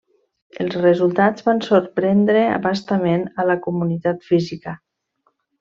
Els resultats van sorprendre a bastament a la comunitat física.